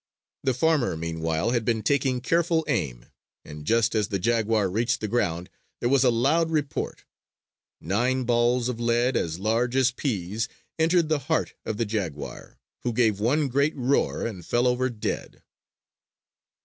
The farmer, meanwhile, had been taking careful aim; and just as the jaguar reached the ground, there was a loud report. Nine balls of lead as large as peas entered the heart of the jaguar, who gave one great roar and fell over dead.